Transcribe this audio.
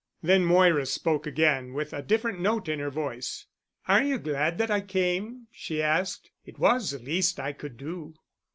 Then Moira spoke again, with a different note in her voice. "Are you glad that I came?" she asked. "It was the least I could do."